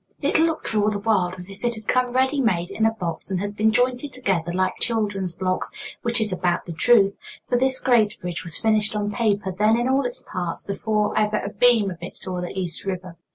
It looked for all the world as if it had come ready made in a box and had been jointed together like children's blocks, which is about the truth, for this great bridge was finished on paper, then in all its parts, before ever a beam of it saw the East River.